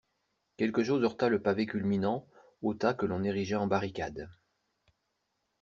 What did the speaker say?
Quelque chose heurta le pavé culminant au tas que l'on érigeait en barricade.